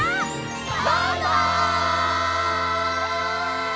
バイバイ！